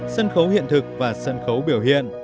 sân khấu hiện thực và sân khấu biểu hiện